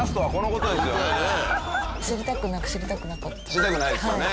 知りたくないですよね。